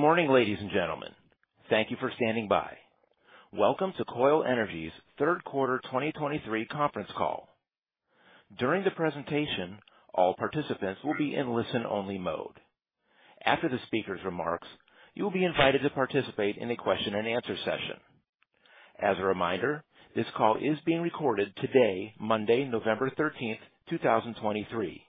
Good morning, ladies and gentlemen. Thank you for standing by. Welcome to Koil Energy's third quarter 2023 conference call. During the presentation, all participants will be in listen-only mode. After the speaker's remarks, you will be invited to participate in a question and answer session. As a reminder, this call is being recorded today, Monday, November 13th, 2023.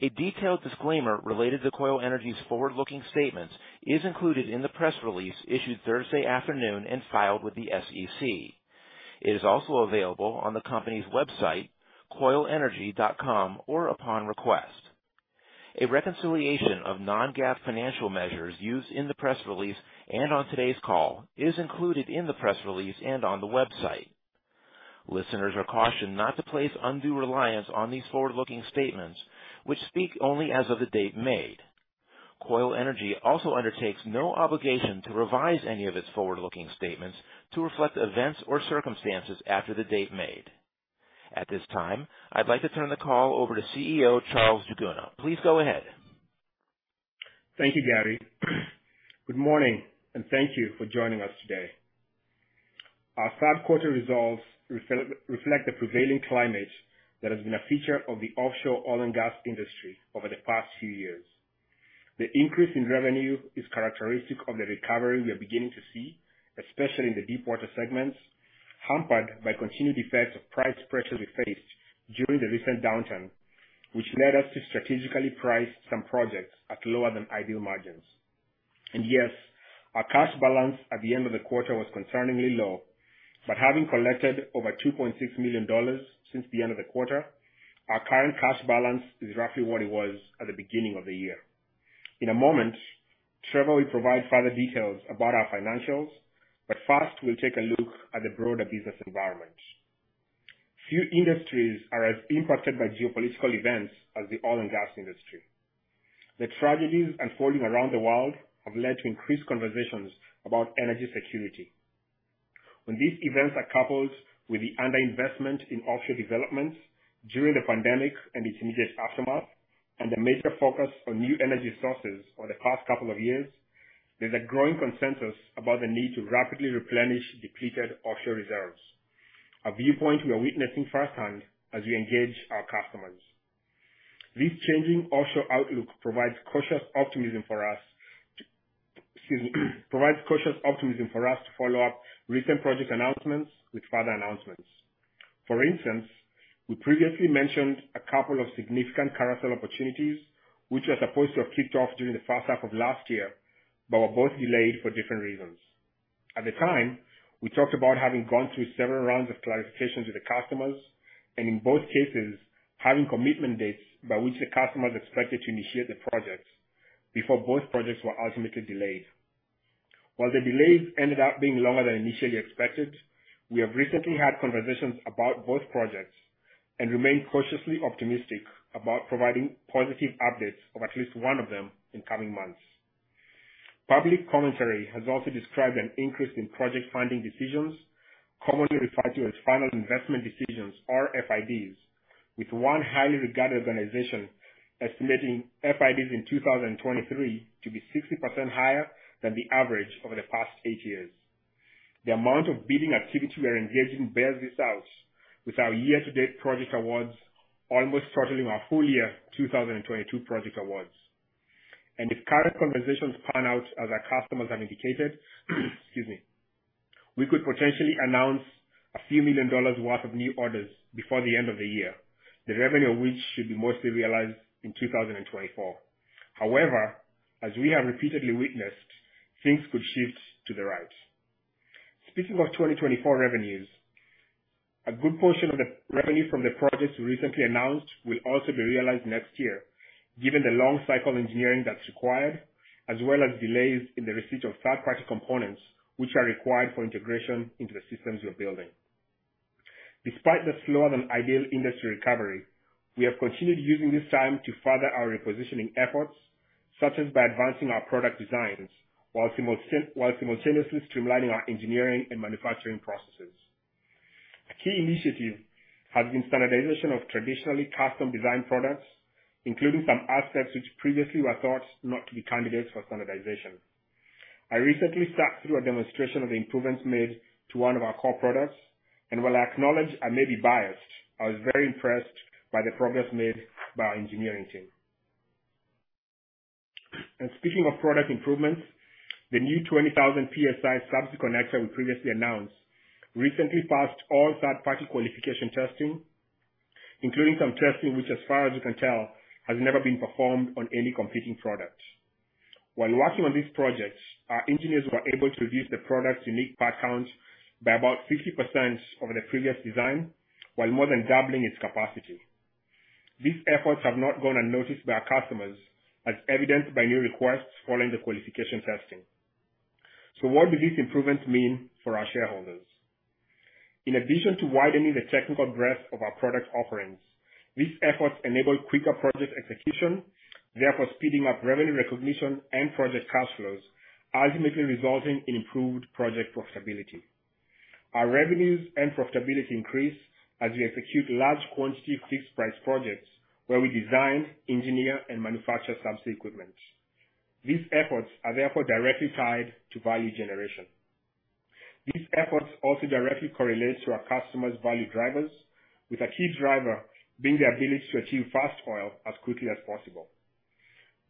A detailed disclaimer related to Koil Energy's forward-looking statements is included in the press release issued Thursday afternoon and filed with the SEC. It is also available on the company's website, koilenergy.com, or upon request. A reconciliation of non-GAAP financial measures used in the press release and on today's call is included in the press release and on the website. Listeners are cautioned not to place undue reliance on these forward-looking statements, which speak only as of the date made. Koil Energy Solutions also undertakes no obligation to revise any of its forward-looking statements to reflect events or circumstances after the date made. At this time, I'd like to turn the call over to CEO Charles Njuguna. Please go ahead. Thank you, Gary. Good morning, and thank you for joining us today. Our third quarter results reflect the prevailing climate that has been a feature of the offshore oil and gas industry over the past few years. The increase in revenue is characteristic of the recovery we are beginning to see, especially in the deepwater segments, hampered by continued effects of price pressures we faced during the recent downturn, which led us to strategically price some projects at lower than ideal margins. Yes, our cash balance at the end of the quarter was concerningly low. Having collected over $2.6 million since the end of the quarter, our current cash balance is roughly what it was at the beginning of the year. In a moment, Trevor will provide further details about our financials, but first we'll take a look at the broader business environment. Few industries are as impacted by geopolitical events as the oil and gas industry. The tragedies unfolding around the world have led to increased conversations about energy security. When these events are coupled with the underinvestment in offshore developments during the pandemic and its immediate aftermath, and a major focus on new energy sources for the past couple of years, there's a growing consensus about the need to rapidly replenish depleted offshore reserves. A viewpoint we are witnessing firsthand as we engage our customers. This changing offshore outlook provides cautious optimism for us to follow up recent project announcements with further announcements. For instance, we previously mentioned a couple of significant carousel opportunities which were supposed to have kicked off during the first half of last year, but were both delayed for different reasons. At the time, we talked about having gone through several rounds of clarifications with the customers, and in both cases, having commitment dates by which the customers expected to initiate the projects, before both projects were ultimately delayed. While the delays ended up being longer than initially expected, we have recently had conversations about both projects and remain cautiously optimistic about providing positive updates of at least one of them in coming months. Public commentary has also described an increase in project funding decisions, commonly referred to as final investment decisions, or FIDs, with one highly regarded organization estimating FIDs in 2023 to be 60% higher than the average over the past eight years. The amount of bidding activity we are engaging bears this out, with our year-to-date project awards almost totaling our full year 2022 project awards. If current conversations pan out as our customers have indicated, we could potentially announce a few million dollars worth of new orders before the end of the year, the revenue of which should be mostly realized in 2024. However, as we have repeatedly witnessed, things could shift to the right. Speaking of 2024 revenues, a good portion of the revenue from the projects we recently announced will also be realized next year, given the long-cycle engineering that's required, as well as delays in the receipt of third-party components which are required for integration into the systems we're building. Despite the slower than ideal industry recovery, we have continued using this time to further our repositioning efforts, such as by advancing our product designs while simultaneously streamlining our engineering and manufacturing processes. A key initiative has been standardization of traditionally custom design products, including some assets which previously were thought not to be candidates for standardization. I recently sat through a demonstration of the improvements made to one of our core products, and while I acknowledge I may be biased, I was very impressed by the progress made by our engineering team. Speaking of product improvements, the new 20,000 psi subsea connector we previously announced recently passed all third-party qualification testing, including some testing which, as far as we can tell, has never been performed on any competing product. While working on this project, our engineers were able to reduce the product's unique part count by about 50% over the previous design, while more than doubling its capacity. These efforts have not gone unnoticed by our customers, as evidenced by new requests following the qualification testing. What do these improvements mean for our shareholders? In addition to widening the technical breadth of our product offerings, these efforts enable quicker project execution, therefore speeding up revenue recognition and project cash flows, ultimately resulting in improved project profitability. Our revenues and profitability increase as we execute large quantity fixed-price projects, where we design, engineer, and manufacture subsea equipment. These efforts are therefore directly tied to value generation. These efforts also directly correlate to our customers' value drivers, with a key driver being the ability to achieve fast oil as quickly as possible.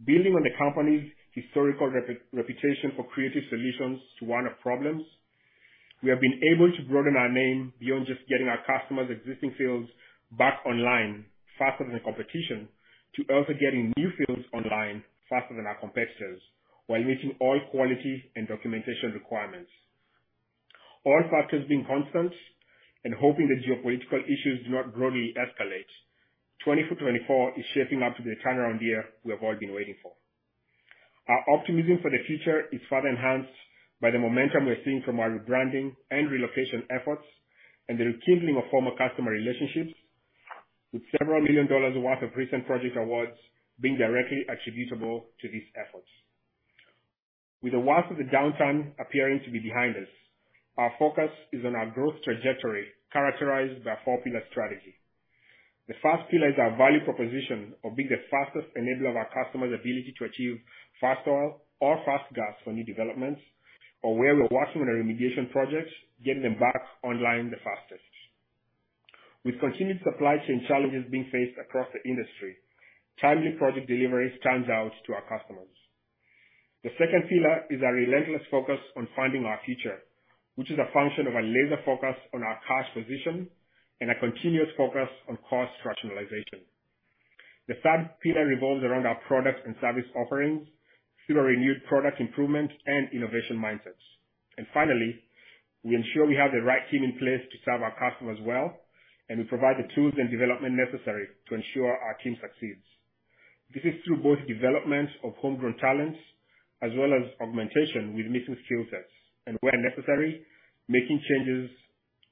Building on the company's historical reputation for creative solutions to one-off problems, we have been able to broaden our name beyond just getting our customers' existing fields back online faster than the competition, to also getting new fields online faster than our competitors, while meeting oil quality and documentation requirements. All factors being constant, and hoping the geopolitical issues do not broadly escalate, 2024 is shaping up to be the turnaround year we have all been waiting for. Our optimism for the future is further enhanced by the momentum we're seeing from our rebranding and relocation efforts, and the rekindling of former customer relationships, with several million dollars worth of recent project awards being directly attributable to these efforts. With the worst of the downtime appearing to be behind us, our focus is on our growth trajectory characterized by a four-pillar strategy. The first pillar is our value proposition of being the fastest enabler of our customers' ability to achieve fast oil or fast gas for new developments, or where we're working on remediation projects, getting them back online the fastest. With continued supply chain challenges being faced across the industry, timely project deliveries stands out to our customers. The second pillar is our relentless focus on funding our future, which is a function of a laser focus on our cash position, and a continuous focus on cost rationalization. The third pillar revolves around our products and service offerings through a renewed product improvement and innovation mindsets. Finally, we ensure we have the right team in place to serve our customers well, and we provide the tools and development necessary to ensure our team succeeds. This is through both development of homegrown talents, as well as augmentation with missing skill sets, and where necessary, making changes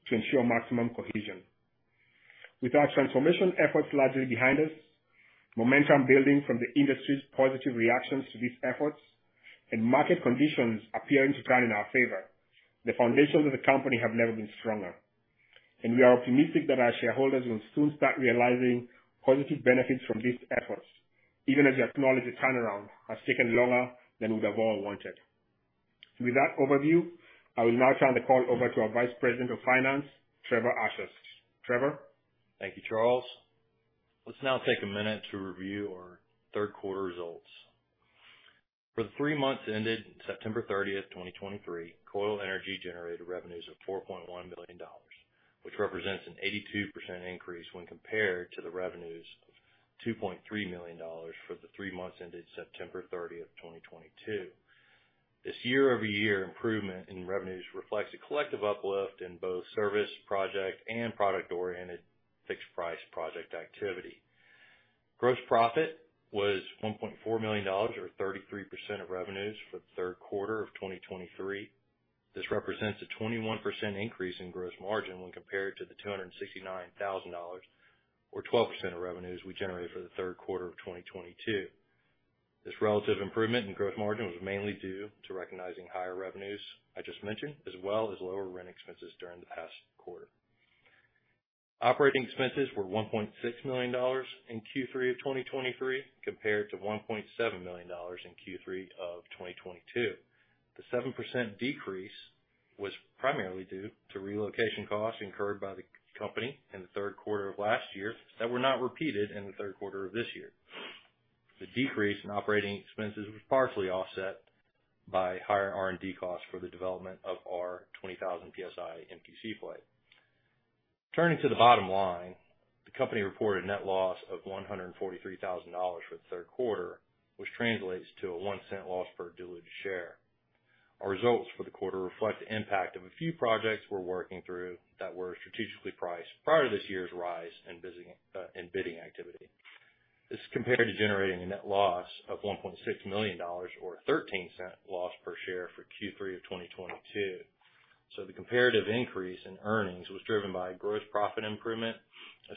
to ensure maximum cohesion. With our transformation efforts largely behind us, momentum building from the industry's positive reactions to these efforts, and market conditions appearing to trend in our favor, the foundations of the company have never been stronger, and we are optimistic that our shareholders will soon start realizing positive benefits from these efforts, even as we acknowledge the turnaround has taken longer than we'd have all wanted. With that overview, I will now turn the call over to our Vice President of Finance, Trevor Ashurst. Trevor? Thank you, Charles. Let's now take a minute to review our third quarter results. For the three months ended September 30, 2023, Koil Energy Solutions generated revenues of $4.1 million, which represents an 82% increase when compared to the revenues of $2.3 million for the three months ended September 30, 2022. This year-over-year improvement in revenues reflects a collective uplift in both service, project, and product-oriented fixed-price project activity. Gross profit was $1.4 million, or 33% of revenues for the third quarter of 2023. This represents a 21% increase in gross margin when compared to the $269,000 or 12% of revenues we generated for the third quarter of 2022. This relative improvement in gross margin was mainly due to recognizing higher revenues I just mentioned, as well as lower rent expenses during the past quarter. Operating expenses were $1.6 million in Q3 of 2023, compared to $1.7 million in Q3 of 2022. The 7% decrease was primarily due to relocation costs incurred by the company in the third quarter of last year that were not repeated in the third quarter of this year. The decrease in operating expenses was partially offset by higher R&D costs for the development of our 20,000 psi MQC Plate. Turning to the bottom line, the company reported net loss of $143,000 for the third quarter, which translates to a $0.01 loss per diluted share. Our results for the quarter reflect the impact of a few projects we're working through that were strategically priced prior to this year's rise in bidding activity. This is compared to generating a net loss of $1.6 million, or $0.13 loss per share for Q3 of 2022. The comparative increase in earnings was driven by gross profit improvement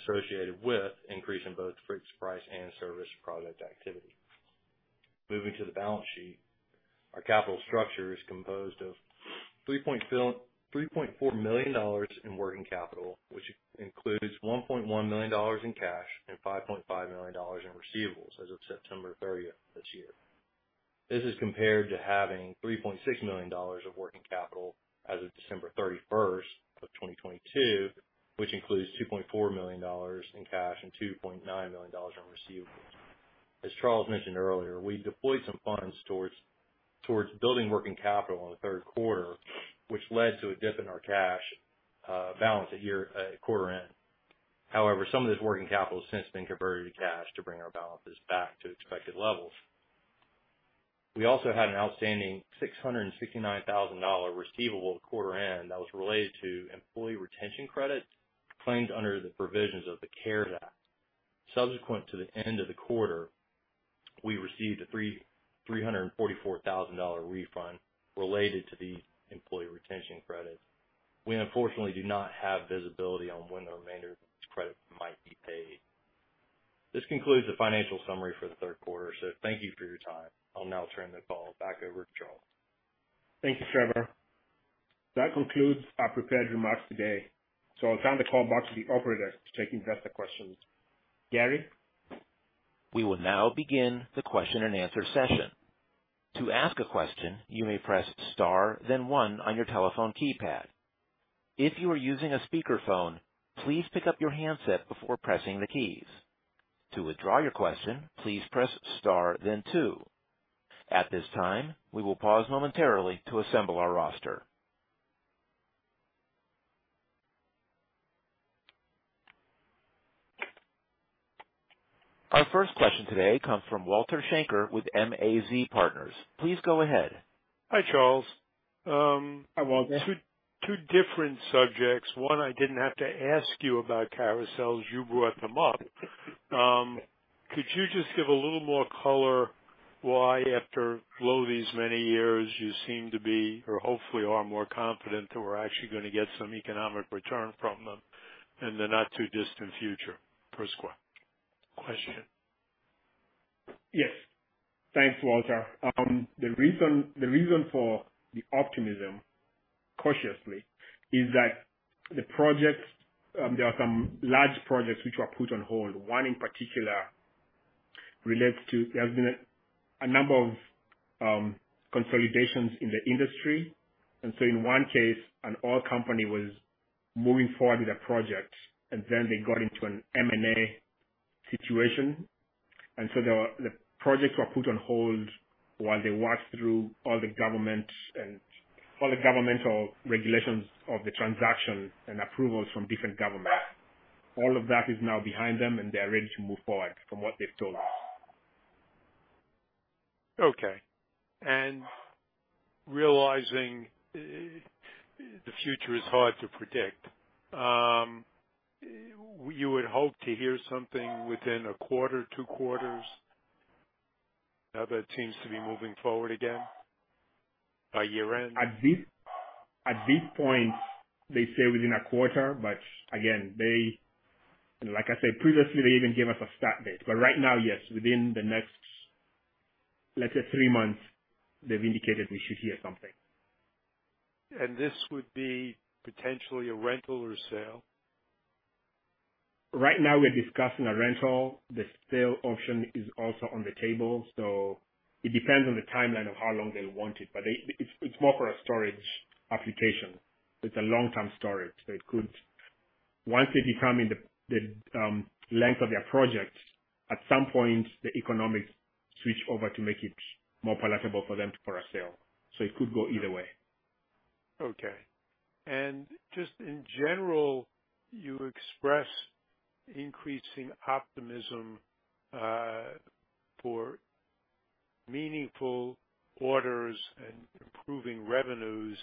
associated with increase in both fixed-price and service project activity. Moving to the balance sheet, our capital structure is composed of $3.4 million in working capital, which includes $1.1 million in cash and $5.5 million in receivables as of September 30th this year. This is compared to having $3.6 million of working capital as of December 31st of 2022, which includes $2.4 million in cash and $2.9 million in receivables. As Charles mentioned earlier, we deployed some funds towards building working capital in the third quarter, which led to a dip in our cash balance at quarter end. However, some of this working capital has since been converted to cash to bring our balances back to expected levels. We also had an outstanding $669,000 receivable at quarter end that was related to Employee Retention Credits claimed under the provisions of the CARES Act. Subsequent to the end of the quarter, we received a $344,000 refund related to these Employee Retention Credits. We unfortunately do not have visibility on when the remainder of this credit might be paid. This concludes the financial summary for the third quarter. Thank you for your time. I'll now turn the call back over to Charles. Thank you, Trevor. That concludes our prepared remarks today. I'll turn the call back to the operator to take investor questions. Gary? We will now begin the question and answer session. To ask a question, you may press star then one on your telephone keypad. If you are using a speakerphone, please pick up your handset before pressing the keys. To withdraw your question, please press star then two. At this time, we will pause momentarily to assemble our roster. Our first question today comes from Walter Schenker with MAZ Partners. Please go ahead. Hi, Charles. Hi, Walter. Two different subjects. One, I didn't have to ask you about carousels. You brought them up. Could you just give a little more color why, after lo these many years, you seem to be or hopefully are more confident that we're actually going to get some economic return from them in the not-too-distant future? First question. Yes. Thanks, Walter. The reason for the optimism, cautiously, is that there are some large projects which were put on hold. One, in particular, relates to. There have been a number of consolidations in the industry, and so in one case, an oil company was moving forward with a project, and then they got into an M&A situation. The projects were put on hold while they watched through all the governmental regulations of the transaction and approvals from different governments. All of that is now behind them, and they are ready to move forward from what they've told us. Okay. Realizing the future is hard to predict, you would hope to hear something within a quarter, two quarters? Now that it seems to be moving forward again. By year-end? At this point, they say within a quarter, but again, like I said previously, they even gave us a start date. Right now, yes, within the next, let's say three months, they've indicated we should hear something. This would be potentially a rental or sale? Right now, we're discussing a rental. The sale option is also on the table, so it depends on the timeline of how long they want it, but it's more for a storage application. It's a long-term storage, so once they determine the length of their project, at some point, the economics switch over to make it more palatable for them for a sale. It could go either way. Okay. Just in general, you express increasing optimism for meaningful orders and improving revenues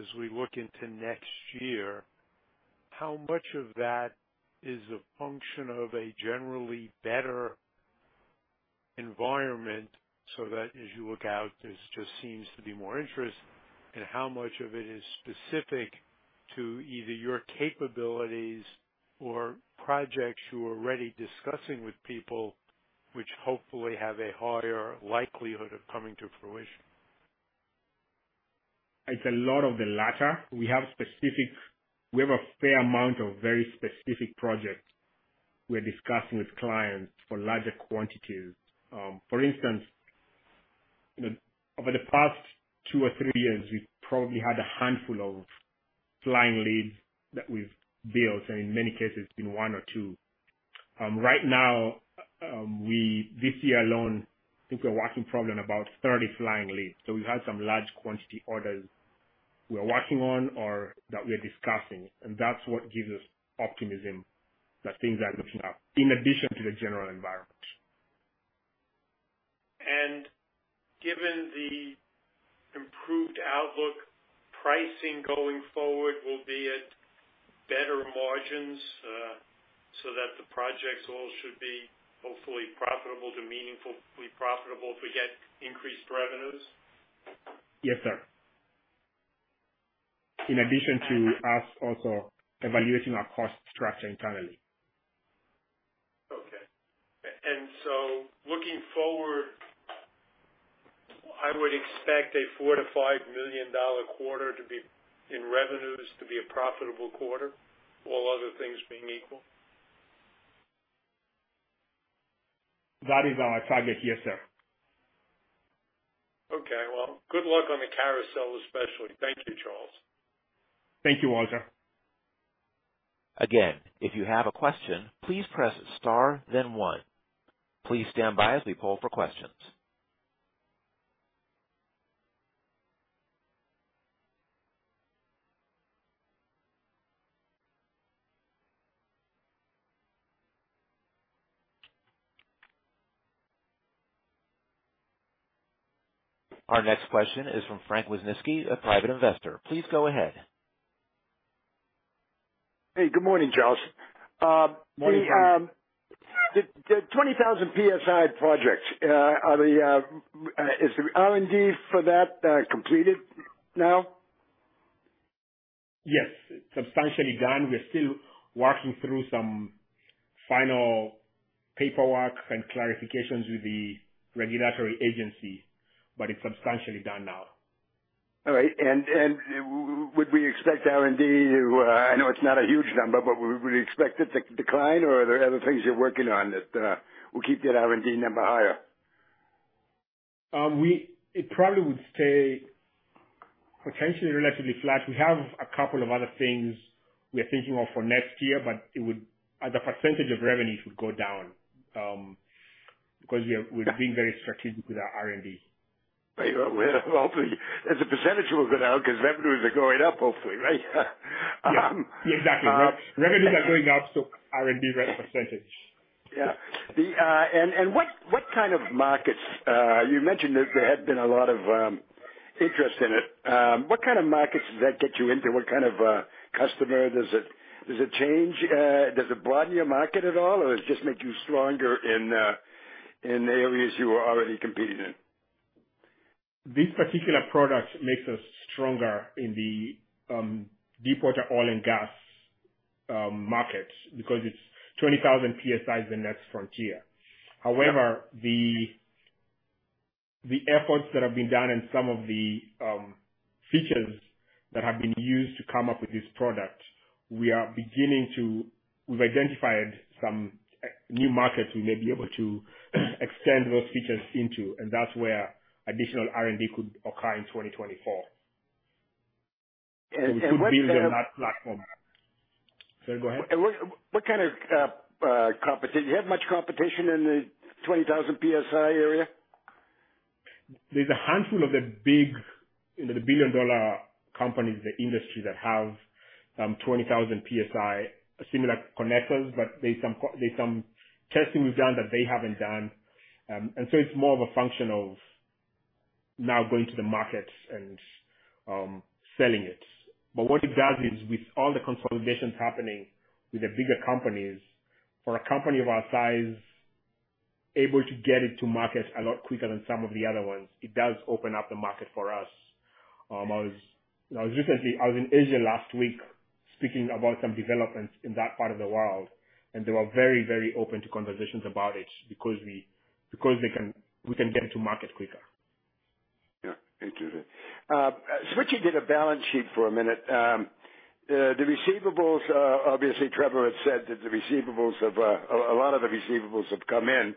as we look into next year. How much of that is a function of a generally better environment so that as you look out, there just seems to be more interest, and how much of it is specific to either your capabilities or projects you're already discussing with people, which hopefully have a higher likelihood of coming to fruition? It's a lot of the latter. We have a fair amount of very specific projects we're discussing with clients for larger quantities. For instance, over the past two or three years, we've probably had a handful of flying leads that we've built, and in many cases, been one or two. Right now, this year alone, I think we're working probably on about 30 flying leads. We have some large quantity orders we are working on or that we're discussing, and that's what gives us optimism that things are looking up, in addition to the general environment. Given the improved outlook, pricing going forward will be at better margins, so that the projects all should be hopefully profitable to meaningfully profitable if we get increased revenues? Yes, sir. In addition to us also evaluating our cost structure internally. Okay. Looking forward, I would expect a $4 million-$5 million quarter in revenues to be a profitable quarter, all other things being equal? That is our target, yes, sir. Okay. Well, good luck on the carousels, especially. Thank you, Charles. Thank you, Walter. Again, if you have a question, please press star then one. Please stand by as we poll for questions. Our next question is from Frank Wisniewski, a private investor. Please go ahead. Hey, good morning, Charles. Morning, Frank. The 20,000 psi project. Is the R&D for that completed now? Yes, it's substantially done. We are still working through some final paperwork and clarifications with the regulatory agency, but it's substantially done now. All right. I know it's not a huge number, but would we expect it to decline, or are there other things you're working on that will keep that R&D number higher? It probably would stay potentially relatively flat. We have a couple of other things we are thinking of for next year, but as a percentage of revenues, it would go down, because we've been very strategic with our R&D. As a percentage of it now, because revenues are going up, hopefully, right? Yes, exactly. Revenues are going up, R&D as a percentage. Yeah. What kind of markets, you mentioned that there had been a lot of interest in it. What kind of markets does that get you into? What kind of customer? Does it broaden your market at all, or does it just make you stronger in the areas you are already competing in? This particular product makes us stronger in the deepwater oil and gas markets because it's 20,000 psi is the next frontier. However, the efforts that have been done in some of the features that have been used to come up with this product. We've identified some new markets we may be able to extend those features into, and that's where additional R&D could occur in 2024. What kind of We could build on that platform. Sorry, go ahead. Do you have much competition in the 20,000 psi area? There's a handful of the big billion-dollar companies in the industry that have 20,000 psi similar connectors, but there's some testing we've done that they haven't done. It's more of a function of now going to the market and selling it. What it does is, with all the consolidations happening with the bigger companies, for a company of our size, able to get it to market a lot quicker than some of the other ones, it does open up the market for us. As recently as last week, I was in Asia speaking about some developments in that part of the world, and they were very open to conversations about it because we can get it to market quicker. Yeah. Interesting. Switching to the balance sheet for a minute. The receivables, obviously, Trevor has said that a lot of the receivables have come in.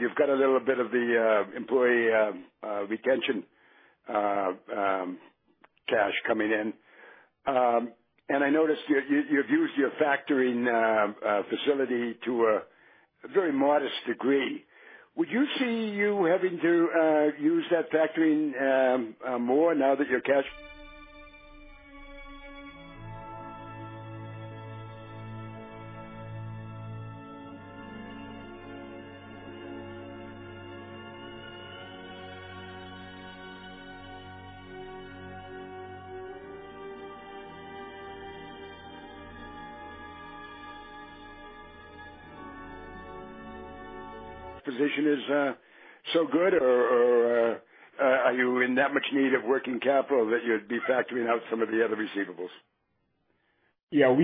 You've got a little bit of the employee retention cash coming in. I noticed you've used your factoring facility to a very modest degree. Would you see you having to use that factoring more now that your cash position is so good, or are you in that much need of working capital that you'd be factoring out some of the other receivables? Yeah.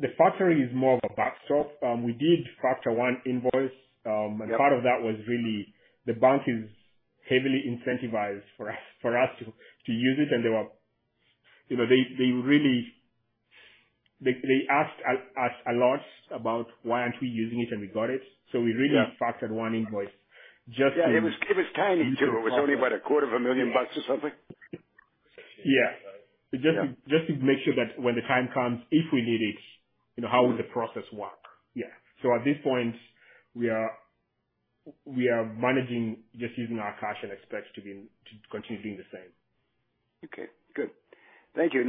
The factoring is more of a backstop. We did factor one invoice. Yep. Part of that was really, the bank is heavily incentivized for us to use it, and they really asked us a lot about why aren't we using it, and we got it. We really have factored one invoice just to- Yeah. It was tiny, too. It was only about a $250,000 or something. Yeah. Just to make sure that when the time comes, if we need it, how would the process work? Yeah. At this point, we are managing just using our cash and expect to continue doing the same. Okay, good. Thank you.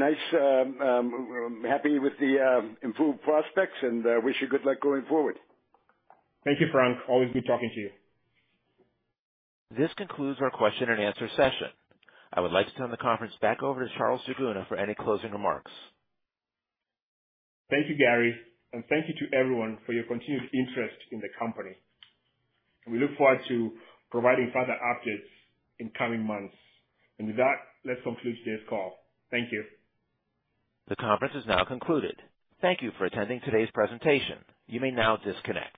Happy with the improved prospects, and wish you good luck going forward. Thank you, Frank. Always good talking to you. This concludes our question and answer session. I would like to turn the conference back over to Charles Njuguna for any closing remarks. Thank you, Gary, and thank you to everyone for your continued interest in the company. We look forward to providing further updates in coming months. With that, let's conclude today's call. Thank you. The conference is now concluded. Thank you for attending today's presentation. You may now disconnect.